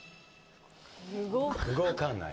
「動かない」